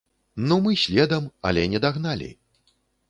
Ну мы следам, але не дагналі.